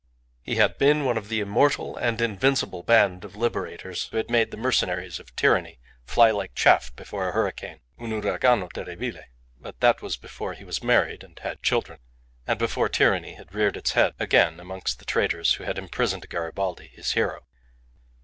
He had been one of the immortal and invincible band of liberators who had made the mercenaries of tyranny fly like chaff before a hurricane, "un uragano terribile." But that was before he was married and had children; and before tyranny had reared its head again amongst the traitors who had imprisoned Garibaldi, his hero.